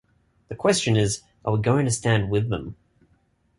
The question is: Are we going to stand with them?